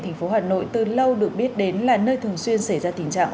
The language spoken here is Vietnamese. thành phố hà nội từ lâu được biết đến là nơi thường xuyên xảy ra tình trạng